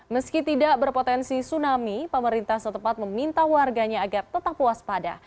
meski tidak berpotensi tsunami pemerintah setempat meminta warganya agar tetap puas pada